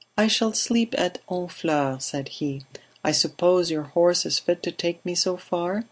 "I shall sleep at Honfleur," said he, "I suppose your horse is fit to take me so far?